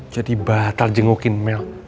jadi batal jengukin mel